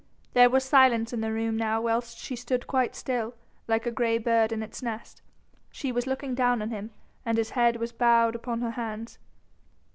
There was silence in the room now whilst she stood quite still, like a grey bird in its nest. She was looking down on him and his head was bowed upon her hands.